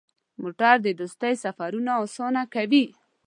موټر د دوستۍ سفرونه اسانه کوي.